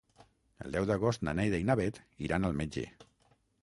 El deu d'agost na Neida i na Bet iran al metge.